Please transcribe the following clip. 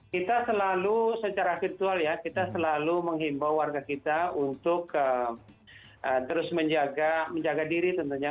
kita selalu secara virtual ya kita selalu menghimbau warga kita untuk terus menjaga diri tentunya